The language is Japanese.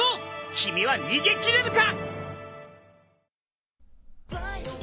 君は逃げ切れるか！？